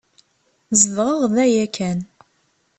Zedɣeɣ da yakan.